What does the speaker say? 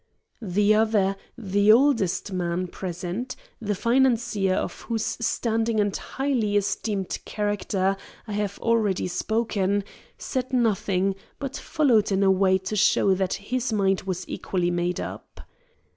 The other, the oldest man present, the financier of whose standing and highly esteemed character I have already spoken, said nothing, but followed in a way to show that his mind was equally made up.